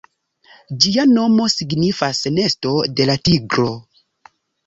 Ĝia nomo signifas "Nesto de la Tigro".